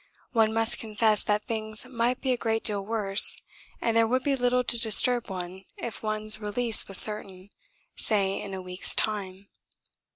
One must confess that things might be a great deal worse and there would be little to disturb one if one's release was certain, say in a week's time.